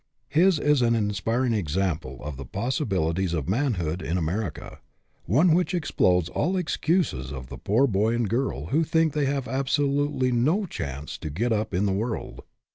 His is an inspiring example of the possibilities of manhood in America, one which explodes all excuses of the poor boy and girl who think they have absolutely no chance to get up in the world.